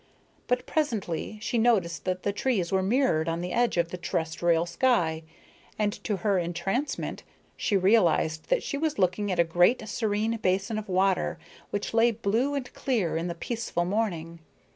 But presently she noticed that the trees were mirrored on the edge of the terrestrial sky, and to her entrancement she realized that she was looking at a great serene basin of water which lay blue and clear in the peaceful morning.